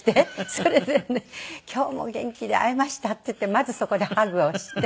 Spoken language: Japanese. それでね「今日も元気で会えました」って言ってまずそこでハグをして。